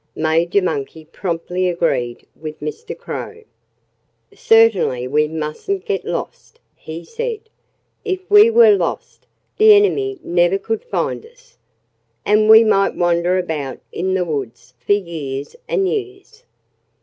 Major Monkey promptly agreed with Mr. Crow. "Certainly we mustn't get lost," he said. "If we were lost, the enemy never could find us. And we might wander about in the woods for years and years."